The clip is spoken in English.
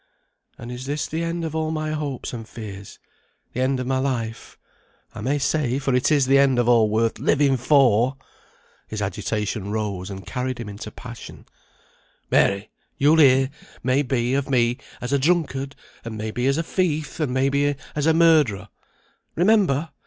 "And is this the end of all my hopes and fears? the end of my life, I may say, for it is the end of all worth living for!" His agitation rose and carried him into passion. "Mary! you'll hear, may be, of me as a drunkard, and may be as a thief, and may be as a murderer. Remember!